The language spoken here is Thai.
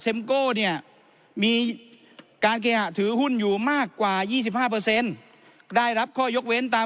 เต็มโก้เนี่ยมีการเคหาถือหุ้นอยู่มากกว่า๒๕เปอร์เซ็นต์ได้รับข้อยกเว้นตาม